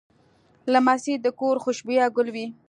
لمسی د کور خوشبویه ګل وي.